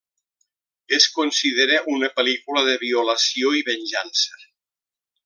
Es considera una pel·lícula de violació i venjança.